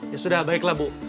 ya sudah baiklah bu